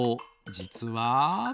じつは。